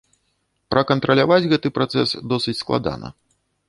Пракантраляваць гэты працэс досыць складана.